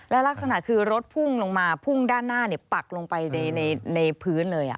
และลักษณะคือรถพุ่งลงมาพุ่งด้านหน้าปักลงไปในพื้นเลย